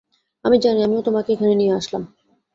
আমি জানি, আমিও তোমাকে এখানে নিয়ে আসলাম।